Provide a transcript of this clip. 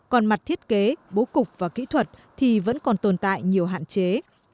còn mặt thiết kế bố cục và kỹ thuật thì vẫn còn tồn tại nhiều hạn chế